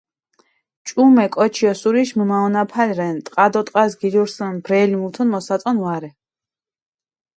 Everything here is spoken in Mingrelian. ჭუმე კოჩი ოსურიში მჷმაჸონაფალი რენ, ტყა დო ტყას გილურსჷნ, ბრელი მუთუნ მოსაწონი ვარე.